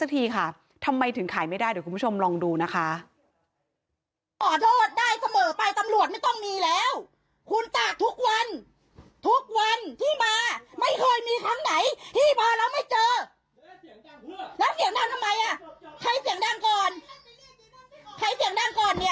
ที่มาไม่เคยมีครั้งไหนที่พอเราไม่เจอแล้วเสียงดังทำไมอ่ะใครเสียงดังก่อนใครเสียงดังก่อนเนี้ย